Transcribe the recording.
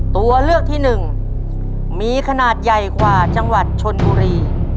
ตัวเลือกที่หนึ่งมีขนาดใหญ่กว่าจังหวัดชนบุรี